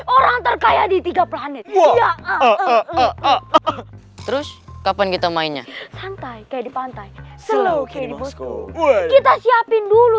orang terkaya di tiga planet iya terus kapan kita mainnya santai kayak di pantai slow kiri kita siapin dulu